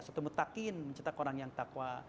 satu mutakin mencetak orang yang takwa